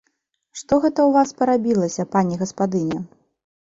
Што гэта ў вас парабілася, пані гаспадыня?